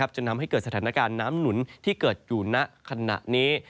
จนทำให้เกิดสถานการณ์น้ำหนุนที่เกิดอยู่ณขณะนี้